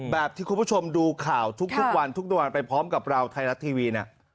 แบบที่คุณผู้ชมดูข่าวทุกวันทุกวันไปพร้อมกับเราไทยรัฐทีวีนะ